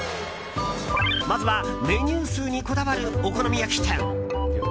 まずは、メニュー数にこだわるお好み焼き店。